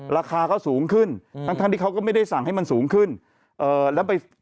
ราคาก็สูงขึ้นหรั่งที่เขาก็ไม่ได้สั่งให้มันสูงขึ้นเนี่ย